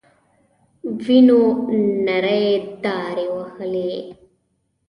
وينو نرۍ دارې وهلې.